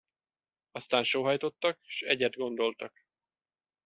Aztán sóhajtottak, s egyet gondoltak.